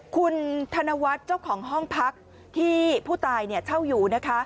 คุณธนวัฒน์เจ้าของห้องพักที่ผู้ตายเช่าอยู่นะคะ